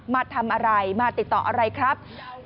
มาทำอะไรมาติดต่ออะไรครับ